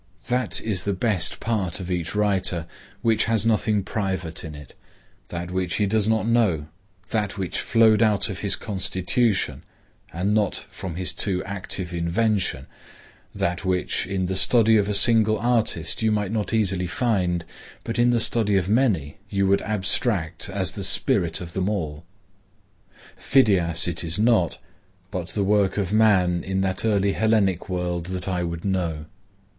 That is the best part of each writer which has nothing private in it; that which he does not know; that which flowed out of his constitution and not from his too active invention; that which in the study of a single artist you might not easily find, but in the study of many you would abstract as the spirit of them all. Phidias it is not, but the work of man in that early Hellenic world that I would know.